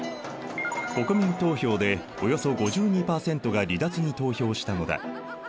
国民投票でおよそ５２％が離脱に投票したのだ。